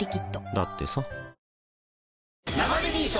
だってさ